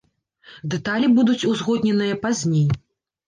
Дэталі будуць узгодненыя пазней.